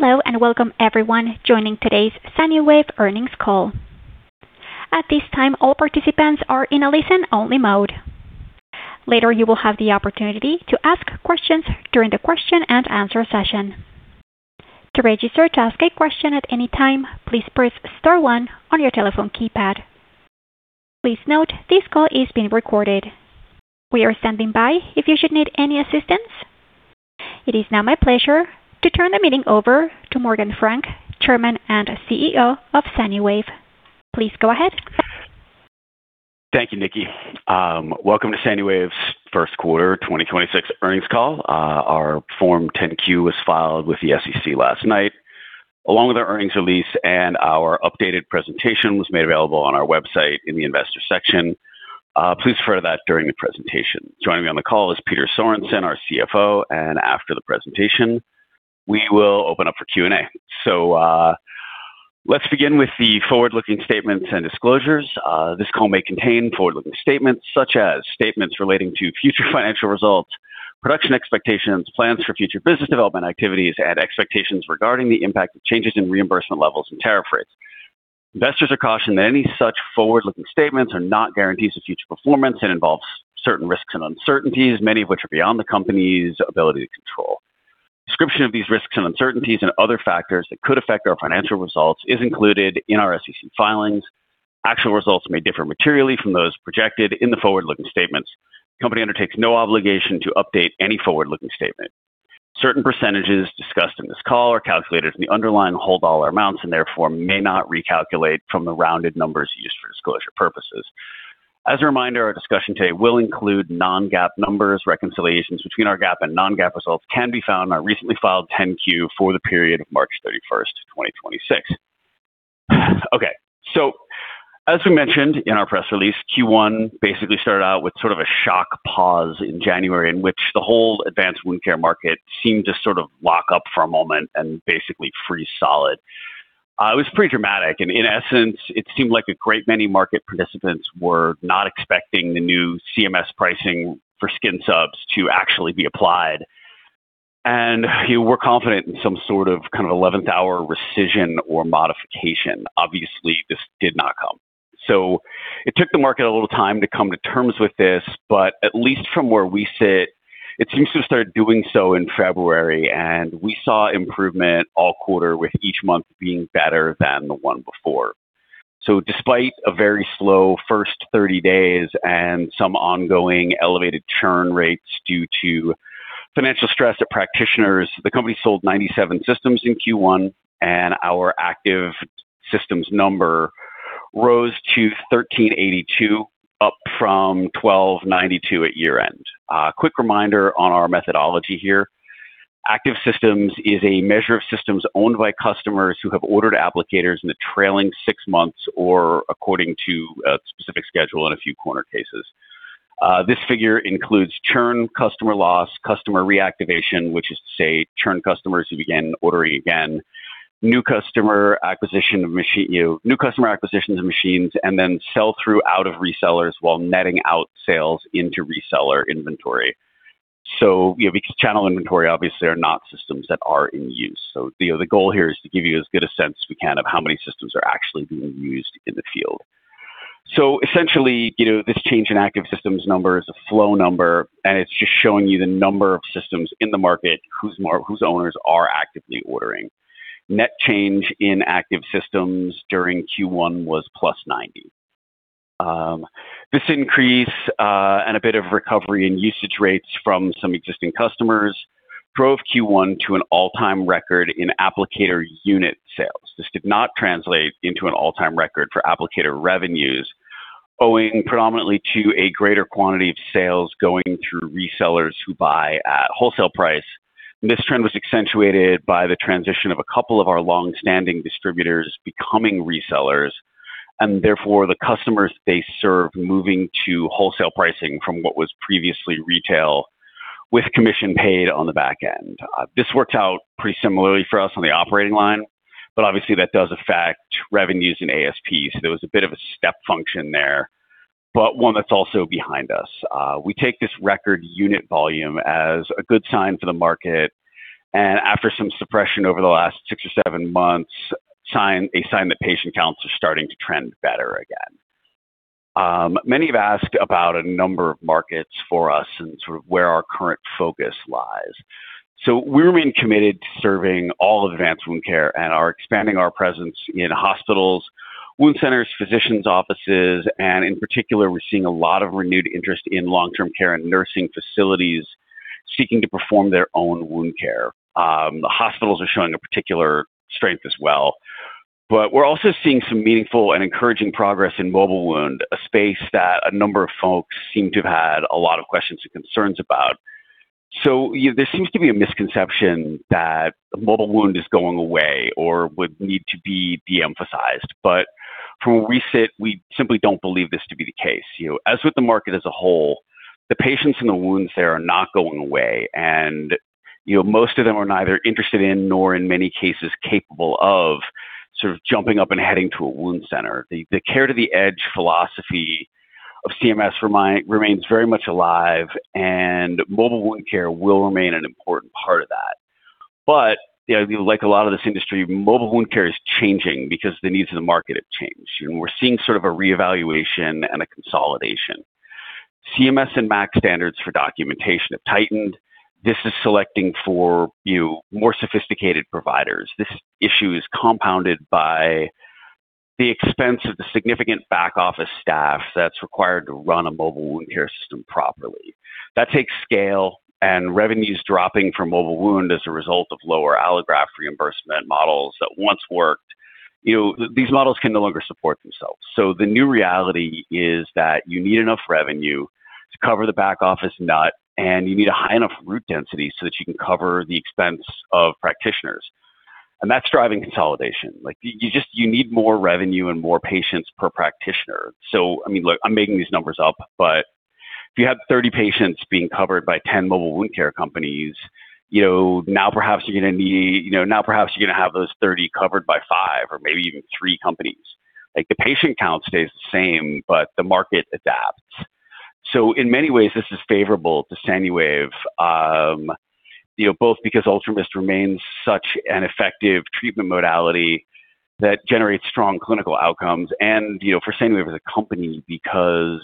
Hello and welcome everyone joining today's Sanuwave earnings call. At this time, all participants are in a listen-only mode. Later, you will have the opportunity to ask questions during the question and answer session. To register to ask a question at any time, please press star one on your telephone keypad. Please note this call is being recorded. We are standing by if you should need any assistance. It is now my pleasure to turn the meeting over to Morgan Frank, Chairman and CEO of Sanuwave. Please go ahead. Thank you, Nikki. Welcome to Sanuwave's first quarter 2026 earnings call. Our Form 10-Q was filed with the SEC last night, along with our earnings release and our updated presentation was made available on our website in the investor section. Please refer to that during the presentation. Joining me on the call is Peter Sorensen, our CFO, and after the presentation, we will open up for Q&A. Let's begin with the forward-looking statements and disclosures. This call may contain forward-looking statements such as statements relating to future financial results, production expectations, plans for future business development activities, and expectations regarding the impact of changes in reimbursement levels and tariff rates. Investors are cautioned that any such forward-looking statements are not guarantees of future performance and involves certain risks and uncertainties, many of which are beyond the company's ability to control. Description of these risks and uncertainties and other factors that could affect our financial results is included in our SEC filings. Actual results may differ materially from those projected in the forward-looking statements. The company undertakes no obligation to update any forward-looking statement. Certain percentages discussed in this call are calculated in the underlying whole dollar amounts and therefore may not recalculate from the rounded numbers used for disclosure purposes. As a reminder, our discussion today will include non-GAAP numbers. Reconciliations between our GAAP and non-GAAP results can be found in our recently filed 10-Q for the period of March 31st, 2026. Okay. As we mentioned in our press release, Q1 basically started out with sort of a shock pause in January in which the whole advanced wound care market seemed to sort of lock up for a moment and basically freeze solid. It was pretty dramatic. In essence, it seemed like a great many market participants were not expecting the new CMS pricing for skin subs to actually be applied. You were confident in some sort of kind of 11th hour rescission or modification. Obviously, this did not come. It took the market a little time to come to terms with this, but at least from where we sit, it seems to have started doing so in February. We saw improvement all quarter, with each month being better than the one before. Despite a very slow first 30 days and some ongoing elevated churn rates due to financial stress at practitioners, the company sold 97 systems in Q1. Our Active Systems number rose to 1,382, up from 1,292 at year-end. Quick reminder on our methodology here. Active Systems is a measure of systems owned by customers who have ordered applicators in the trailing six months or according to a specific schedule in a few corner cases. This figure includes churn, customer loss, customer reactivation, which is to say churn customers who begin ordering again, new customer acquisitions of machines, and then sell-through out of resellers while netting out sales into reseller inventory. You know, because channel inventory obviously are not systems that are in use. You know, the goal here is to give you as good a sense we can of how many systems are actually being used in the field. Essentially, you know, this change in Active Systems number is a flow number, and it's just showing you the number of systems in the market whose owners are actively ordering. Net change in Active Systems during Q1 was +90. This increase and a bit of recovery in usage rates from some existing customers drove Q1 to an all-time record in applicator unit sales. This did not translate into an all-time record for applicator revenues, owing predominantly to a greater quantity of sales going through resellers who buy at wholesale price. This trend was accentuated by the transition of a couple of our long-standing distributors becoming resellers, and therefore the customers they serve moving to wholesale pricing from what was previously retail with commission paid on the back end. This worked out pretty similarly for us on the operating line, obviously, that does affect revenues and ASPs. There was a bit of a step function there, one that's also behind us. We take this record unit volume as a good sign for the market, after some suppression over the last six or seven months, a sign that patient counts are starting to trend better again. Many have asked about a number of markets for us and sort of where our current focus lies. We remain committed to serving all advanced wound care and are expanding our presence in hospitals, wound centers, physicians' offices, and in particular, we're seeing a lot of renewed interest in long-term care and nursing facilities seeking to perform their own wound care. The hospitals are showing a particular strength as well, we're also seeing some meaningful and encouraging progress in mobile wound, a space that a number of folks seem to have had a lot of questions and concerns about. There seems to be a misconception that mobile wound is going away or would need to be de-emphasized. From where we sit, we simply don't believe this to be the case. You know, as with the market as a whole, the patients and the wounds there are not going away. You know, most of them are neither interested in nor in many cases capable of sort of jumping up and heading to a wound center. The care to the edge philosophy of CMS remains very much alive, and mobile wound care will remain an important part of that. You know, like a lot of this industry, mobile wound care is changing because the needs of the market have changed, and we're seeing sort of a reevaluation and a consolidation. CMS and MAC standards for documentation have tightened. This is selecting for more sophisticated providers. This issue is compounded by the expense of the significant back office staff that's required to run a mobile wound care system properly. That takes scale and revenues dropping from mobile wound as a result of lower allograft reimbursement models that once worked. You know, these models can no longer support themselves. The new reality is that you need enough revenue to cover the back office nut, and you need a high enough route density so that you can cover the expense of practitioners. That's driving consolidation. Like, you need more revenue and more patients per practitioner. I mean, look, I'm making these numbers up, but if you have 30 patients being covered by 10 mobile wound care companies, you know, now perhaps you're gonna have those 30 covered by five or maybe even three companies. The patient count stays the same, but the market adapts. In many ways, this is favorable to Sanuwave, you know, both because UltraMIST remains such an effective treatment modality that generates strong clinical outcomes and, you know, for Sanuwave as a company because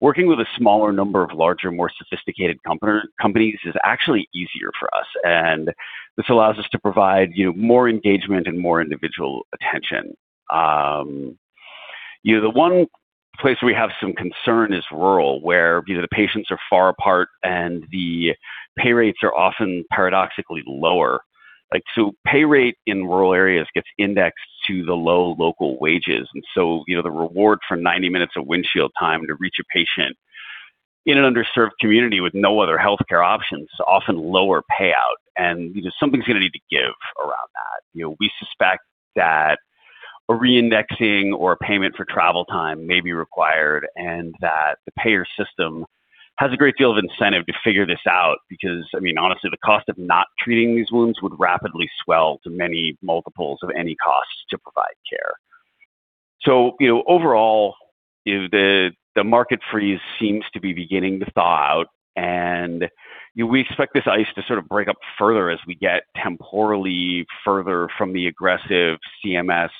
working with a smaller number of larger, more sophisticated companies is actually easier for us, and this allows us to provide, you know, more engagement and more individual attention. You know, the one place we have some concern is rural, where, you know, the patients are far apart and the pay rates are often paradoxically lower. Pay rate in rural areas gets indexed to the low local wages. The reward for 90 minutes of windshield time to reach a patient in an underserved community with no other healthcare options is often lower payout. You know, something's gonna need to give around that. You know, we suspect that a re-indexing or payment for travel time may be required and that the payer system has a great deal of incentive to figure this out because, I mean, honestly, the cost of not treating these wounds would rapidly swell to many multiples of any costs to provide care. You know, overall, if the market freeze seems to be beginning to thaw out, and, you know, we expect this ice to sort of break up further as we get temporally further from the aggressive CMS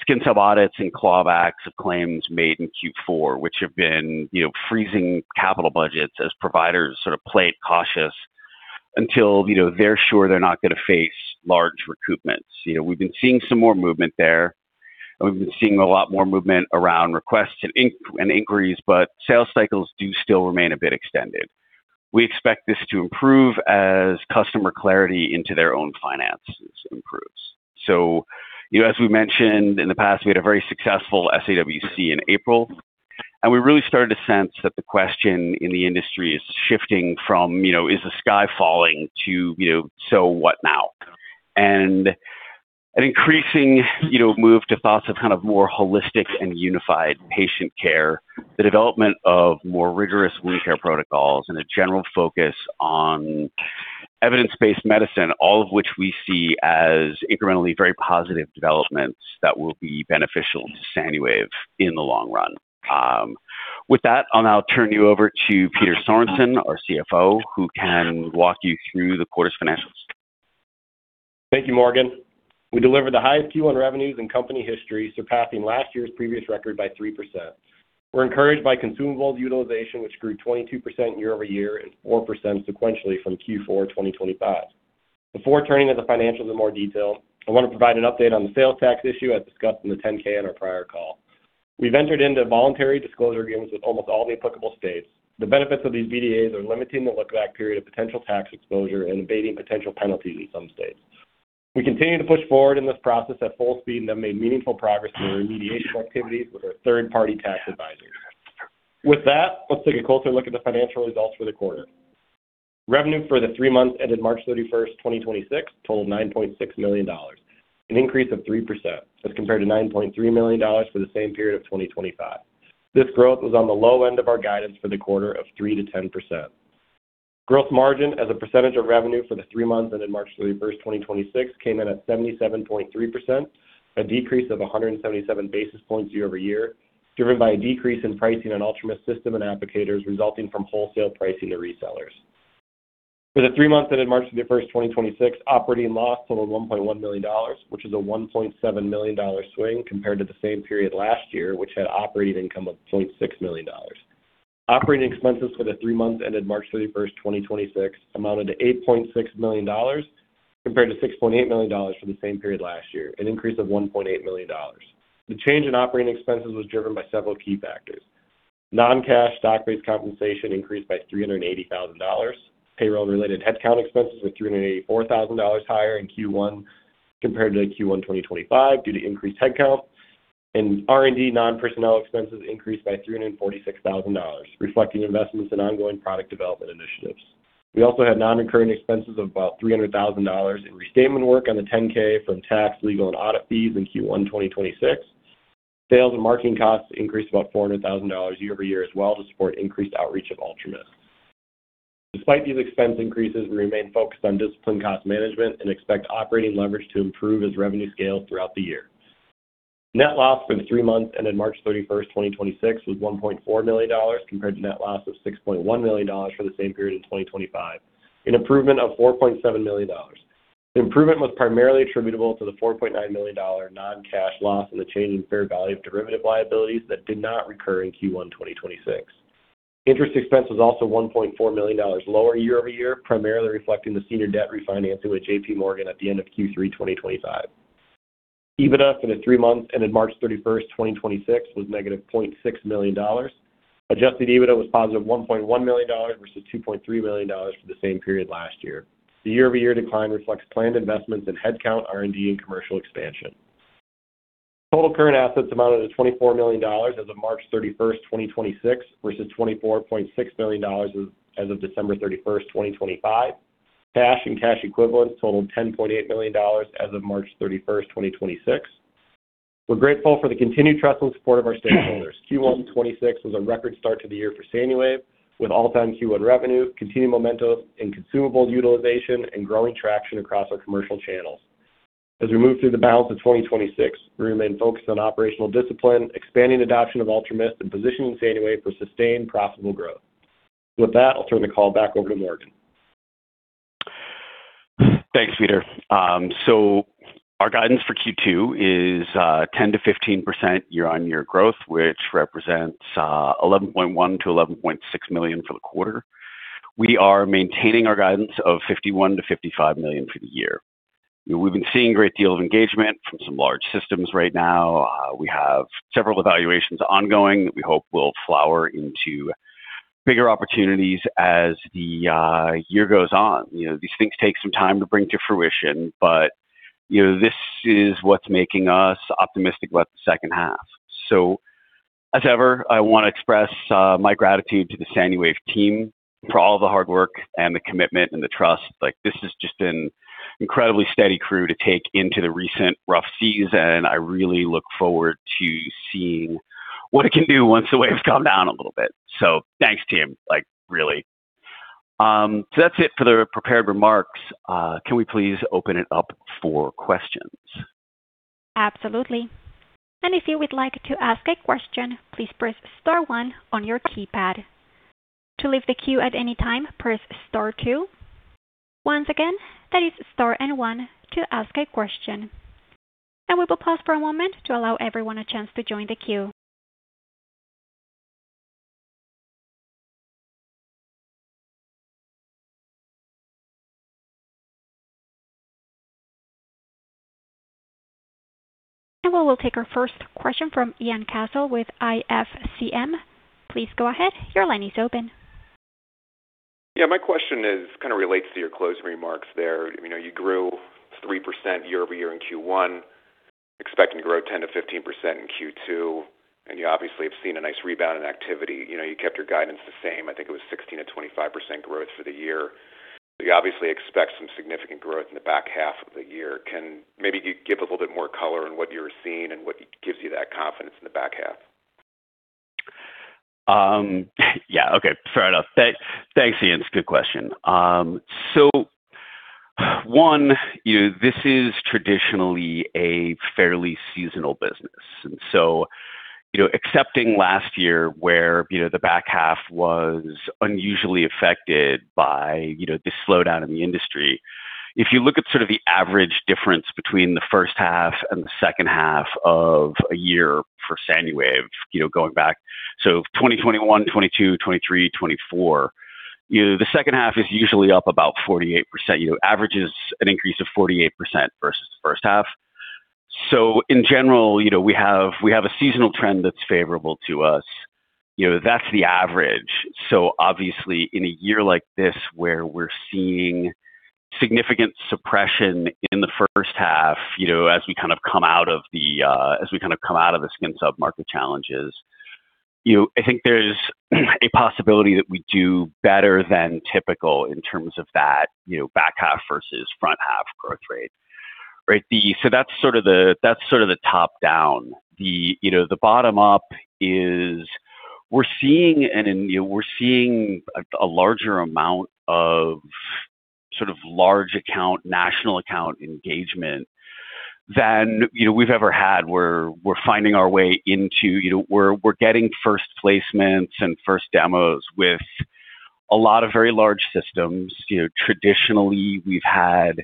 skin sub audits and clawbacks of claims made in Q4, which have been, you know, freezing capital budgets as providers sort of play it cautious until, you know, they're sure they're not gonna face large recoupments. You know, we've been seeing some more movement there, and we've been seeing a lot more movement around requests and inquiries, but sales cycles do still remain a bit extended. We expect this to improve as customer clarity into their own finances improves. You know, as we mentioned in the past, we had a very successful SAWC in April, and we really started to sense that the question in the industry is shifting from, you know, is the sky falling to, you know, so what now? An increasing, you know, move to thoughts of kind of more holistic and unified patient care, the development of more rigorous wound care protocols, and a general focus on evidence-based medicine, all of which we see as incrementally very positive developments that will be beneficial to Sanuwave in the long run. With that, I'll now turn you over to Peter Sorensen, our CFO, who can walk you through the quarter's financials. Thank you, Morgan. We delivered the highest Q1 revenues in company history, surpassing last year's previous record by 3%. We're encouraged by consumables utilization, which grew 22% year-over-year and 4% sequentially from Q4 2025. Before turning to the financials in more detail, I wanna provide an update on the sales tax issue as discussed in the 10-K on our prior call. We've entered into voluntary disclosure agreements with almost all the applicable states. The benefits of these VDAs are limiting the look-back period of potential tax exposure and abating potential penalties in some states. We continue to push forward in this process at full speed and have made meaningful progress in our remediation activities with our third-party tax advisors. With that, let's take a closer look at the financial results for the quarter. Revenue for the three months ended March 31st, 2026 totaled $9.6 million, an increase of 3% as compared to $9.3 million for the same period of 2025. This growth was on the low end of our guidance for the quarter of 3%-10%. Gross margin as a percentage of revenue for the three months ended March 31st, 2026 came in at 77.3%, a decrease of 177 basis points year-over-year, driven by a decrease in pricing on UltraMIST system and applicators resulting from wholesale pricing to resellers. For the three months ended March 31st, 2026, operating loss totaled $1.1 million, which is a $1.7 million swing compared to the same period last year, which had operating income of $0.6 million. Operating expenses for the three months ended March 31st, 2026 amounted to $8.6 million compared to $6.8 million for the same period last year, an increase of $1.8 million. The change in operating expenses was driven by several key factors. Non-cash stock-based compensation increased by $380,000. Payroll-related headcount expenses were $384,000 higher in Q1 compared to Q1 2025 due to increased headcount. R&D non-personnel expenses increased by $346,000, reflecting investments in ongoing product development initiatives. We also had non-recurring expenses of about $300,000 in restatement work on the 10-K from tax, legal, and audit fees in Q1 2026. Sales and marketing costs increased about $400,000 year-over-year as well to support increased outreach of UltraMIST. Despite these expense increases, we remain focused on disciplined cost management and expect operating leverage to improve as revenue scales throughout the year. Net loss for the three months ended March 31st, 2026 was $1.4 million compared to net loss of $6.1 million for the same period in 2025, an improvement of $4.7 million. The improvement was primarily attributable to the $4.9 million non-cash loss in the change in fair value of derivative liabilities that did not recur in Q1 2026. Interest expense was also $1.4 million lower year-over-year, primarily reflecting the senior debt refinancing with JPMorgan at the end of Q3 2025. EBITDA for the three months ended March 31st, 2026 was -$0.6 million. Adjusted EBITDA was +$1.1 million versus $2.3 million for the same period last year. The year-over-year decline reflects planned investments in headcount, R&D, and commercial expansion. Total current assets amounted to $24 million as of March 31st, 2026 versus $24.6 million as of December 31st, 2025. Cash and cash equivalents totaled $10.8 million as of March 31st, 2026. We're grateful for the continued trust and support of our stakeholders. Q1 2026 was a record start to the year for Sanuwave, with all-time Q1 revenue, continued momentum in consumables utilization, and growing traction across our commercial channels. As we move through the balance of 2026, we remain focused on operational discipline, expanding adoption of UltraMIST, and positioning Sanuwave for sustained profitable growth. With that, I'll turn the call back over to Morgan. Thanks, Peter. Our guidance for Q2 is 10%-15% year-on-year growth, which represents $11.1 million-$11.6 million for the quarter. We are maintaining our guidance of $51 million-$55 million for the year. You know, we've been seeing great deal of engagement from some large systems right now. We have several evaluations ongoing that we hope will flower into bigger opportunities as the year goes on. You know, these things take some time to bring to fruition, but, you know, this is what's making us optimistic about the second half. As ever, I want to express my gratitude to the Sanuwave team for all the hard work and the commitment and the trust. Like, this has just been incredibly steady crew to take into the recent rough seas, and I really look forward to seeing what it can do once the waves calm down a little bit. Thanks, team. Like, really. That's it for the prepared remarks. Can we please open it up for questions? Absolutely. And if you would like to ask a question, please press star one on your keypad. To leave the queue at any time, press star two. Once again, that is star and one to ask a question. We will pause for a moment to allow everyone a chance to join the queue. We will take our first question from Ian Cassel with IFCM. Please go ahead. Your line is open. Yeah. My question is, kind of relates to your closing remarks there. You know, you grew 3% year-over-year in Q1, expecting to grow 10%-15% in Q2, and you obviously have seen a nice rebound in activity. You know, you kept your guidance the same. I think it was 16%-25% growth for the year. You obviously expect some significant growth in the back half of the year. Can maybe you give a little bit more color on what you're seeing and what gives you that confidence in the back half? Yeah, okay. Fair enough. Thanks, Ian. It's a good question. One, you know, this is traditionally a fairly seasonal business. You know, excepting last year where, you know, the back half was unusually affected by, you know, the slowdown in the industry, if you look at sort of the average difference between the first half and the second half of a year for Sanuwave, you know, going back, 2021, 2022, 2023, 2024, you know, the second half is usually up about 48%. You know, averages an increase of 48% versus the first half. In general, you know, we have a seasonal trend that's favorable to us. You know, that's the average. Obviously, in a year like this where we're seeing significant suppression in the first half, you know, as we kind of come out of the skin substitutes market challenges, I think there's a possibility that we do better than typical in terms of that, you know, back half versus front half growth rate, right? That's sort of the top-down. You know, the bottom up is we're seeing a larger amount of sort of large account, national account engagement than, you know, we've ever had, where we're finding our way into getting first placements and first demos with a lot of very large systems. You know, traditionally, we've had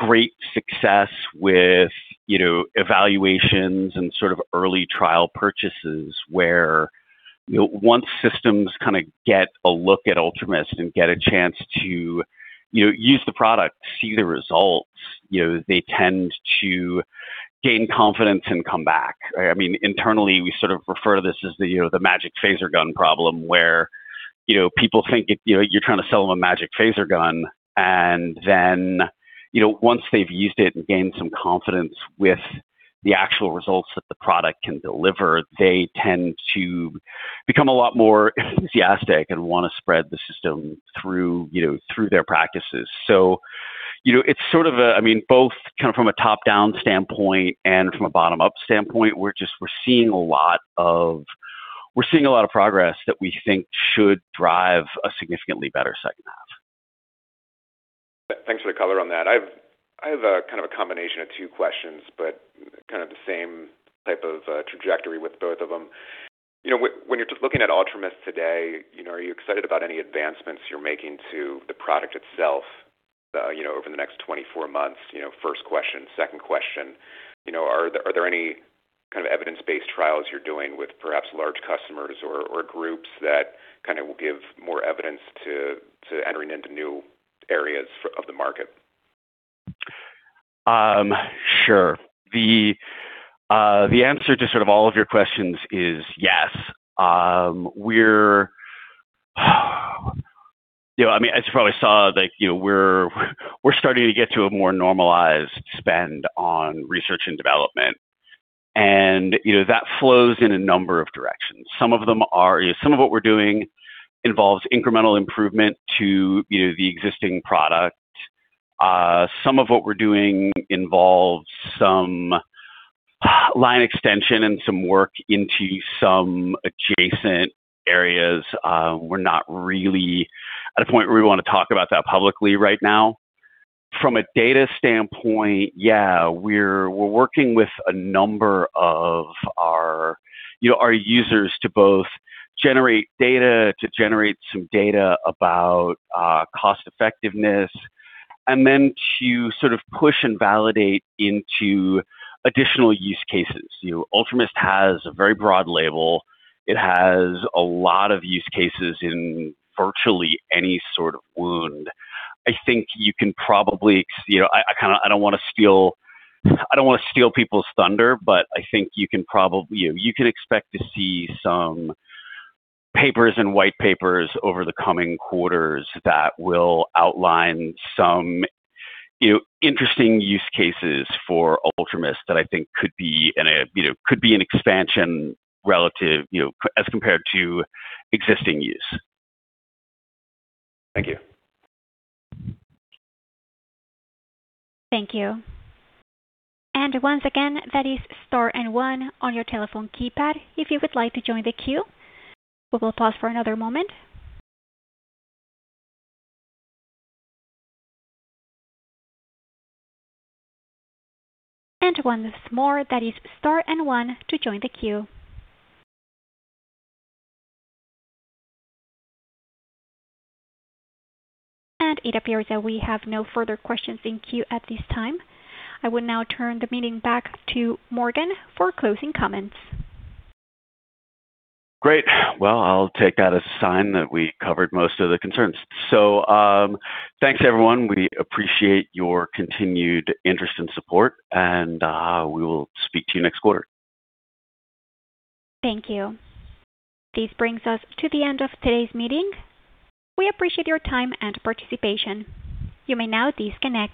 great success with, you know, evaluations and sort of early trial purchases where, you know, once systems kind of get a look at UltraMIST and get a chance to, you know, use the product, see the results, you know, they tend to gain confidence and come back, right? I mean, internally, we sort of refer to this as the, you know, the magic phaser gun problem where, you know, people think it, you know, you're trying to sell them a magic phaser gun and then, you know, once they've used it and gained some confidence with the actual results that the product can deliver, they tend to become a lot more enthusiastic and want to spread the system through, you know, through their practices. You know, it's sort of a I mean, both kind of from a top-down standpoint and from a bottom-up standpoint, we're just seeing a lot of progress that we think should drive a significantly better second half. Thanks for the color on that. I've kind of a combination of two questions, but kind of the same type of trajectory with both of them. You know, when you're just looking at UltraMIST today, you know, are you excited about any advancements you're making to the product itself, you know, over the next 24 months? You know, first question. Second question, you know, are there any kind of evidence-based trials you're doing with perhaps large customers or groups that kind of will give more evidence to entering into new areas of the market? Sure. The answer to sort of all of your questions is yes. We're You know, I mean, as you probably saw, like, you know, we're starting to get to a more normalized spend on research and development and, you know, that flows in a number of directions. Some of what we're doing involves incremental improvement to, you know, the existing product. Some of what we're doing involves some line extension and some work into some adjacent areas. We're not really at a point where we want to talk about that publicly right now. From a data standpoint, yeah, we're working with a number of our, you know, our users to both generate data, to generate some data about cost effectiveness and then to sort of push and validate into additional use cases. You know, UltraMIST has a very broad label. It has a lot of use cases in virtually any sort of wound. I think you can probably You know, I don't want to steal people's thunder, but I think you can you know, you can expect to see some papers and white papers over the coming quarters that will outline some, you know, interesting use cases for UltraMIST that I think could be an, you know, could be an expansion relative, you know, as compared to existing use. Thank you. Thank you. Once again, that is star and one on your telephone keypad if you would like to join the queue. We will pause for another moment. Once more, that is star and one to join the queue. It appears that we have no further questions in queue at this time. I will now turn the meeting back to Morgan for closing comments. Great. Well, I'll take that as a sign that we covered most of the concerns. Thanks everyone. We appreciate your continued interest and support, and we will speak to you next quarter. Thank you. This brings us to the end of today's meeting. We appreciate your time and participation. You may now disconnect.